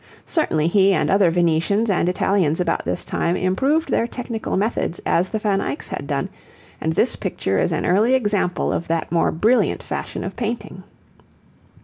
Certainly he and other Venetians and Italians about this time improved their technical methods as the Van Eycks had done, and this picture is an early example of that more brilliant fashion of painting.